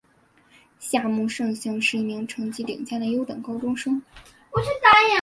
夏木胜幸是一名成绩顶尖的优等高中生。